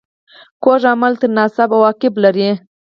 کوږ عمل تل ناسم عواقب لري